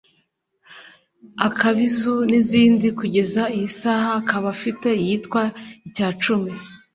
Akabizu n’izindi kugeza iyi saha akaba afite iyitwa Icyacumi